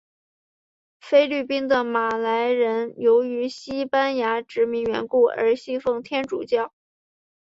菲律宾的马来人由于西班牙殖民缘故而信奉天主教。